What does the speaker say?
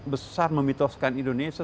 besar memitoskan indonesia